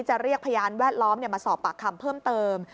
เรียกพยานแวดล้อมมาสอบปากคำเพิ่มเติม